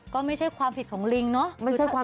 ก็ไม่ใช่ความผิดของลิงเนาะ